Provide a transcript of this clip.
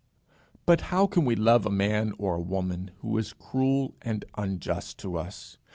But how can we love a man or a woman who is cruel and unjust to us?